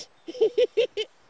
フフフフフ！